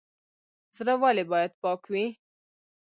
زړه ولې باید پاک وي؟